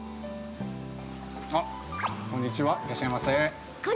あ、こんにちは。いらっしゃいませ。